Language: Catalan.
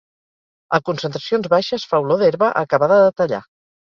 A concentracions baixes fa olor d'herba acabada de tallar.